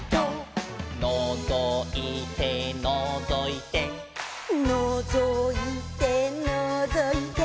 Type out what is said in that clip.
「のぞいてのぞいて」「のぞいてのぞいて」